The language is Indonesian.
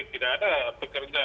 tidak ada bekerja